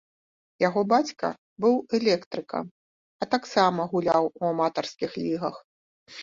Яго бацька быў электрыкам, а таксама гуляў у аматарскіх лігах.